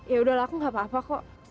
yaudahlah aku gak apa apa kok